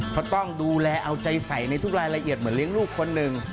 เพราะต้องดูแลเอาใจใส่ในทุกรายละเอียดเหมือนเลี้ยงลูกคนหนึ่ง